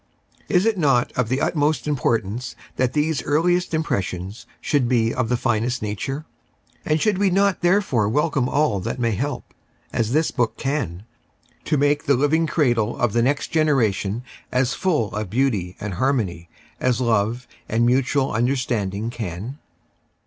Is it not of the utmost importance that these earliest impressions should be of the finest nature ? And should wc not therefore welcome all that may help — as this book can — to make the living cradle of the next generation as full of beauty and liarmony as love and mutual understanding can